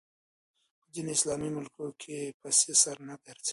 په ځینو اسلامي ملکونو کې پسې سر نه ګرځوي